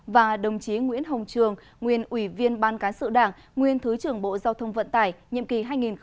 và đồng chí nguyễn hồng trường nguyên ủy viên ban cán sự đảng nguyên thứ trưởng bộ giao thông vận tải nhiệm kỳ hai nghìn một mươi sáu hai nghìn một mươi sáu